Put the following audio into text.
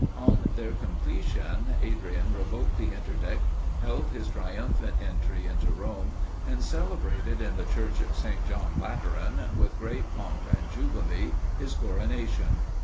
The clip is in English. On their completion, Adrian revoked the interdict, held his triumphant entry into Rome, and celebrated in the church of St. John Lateran, with great pomp and jubilee, his coronation.